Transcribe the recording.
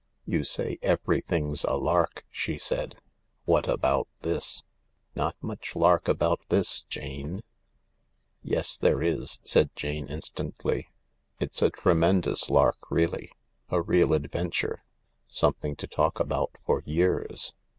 " You say everything's a lark," she said. " What about this ? Not much lark about this, Jane ?"" Yes, there is 1 " said Jane instantly. " It's a tremendous lark really— a real adventure — something to talk about for years.